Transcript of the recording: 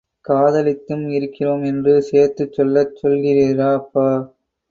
காதலித்தும் இருக்கிறோம் என்று சேர்த்துச் சொல்லச் சொல்கிறீரா அப்பா.